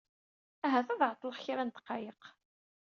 Ahat ad ɛeṭṭleɣ kra n ddqayeq.